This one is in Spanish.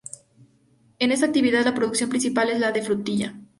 En esta actividad la producción principal es la de frutilla.